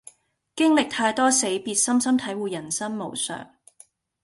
經歷太多死別深深體會人生無常